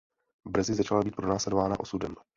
Brzy začala být pronásledována osudem.